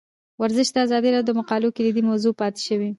ورزش د ازادي راډیو د مقالو کلیدي موضوع پاتې شوی.